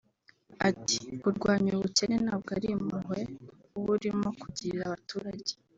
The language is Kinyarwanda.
Ati “Kurwanya ubukene ntabwo ari impuhwe uba urimo kugirira abaturage